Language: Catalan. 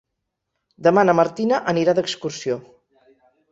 Demà na Martina anirà d'excursió.